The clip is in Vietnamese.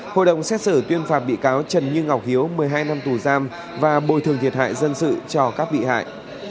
hội đồng xét xử tuyên phạt bị cáo trần như ngọc hiếu một mươi hai năm tù giam và bồi thường thiệt hại dân sự cho các bị hại